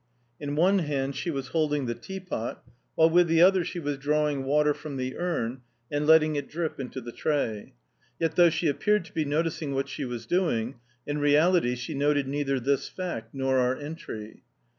In one hand she was holding the tea pot, while with the other one she was drawing water from the urn and letting it drip into the tray. Yet though she appeared to be noticing what she doing, in reality she noted neither this fact nor our entry.